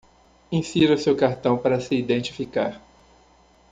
Insira seu cartão para se identificar.